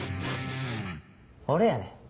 俺やねん。